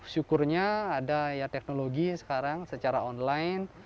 syukurnya ada ya teknologi sekarang secara online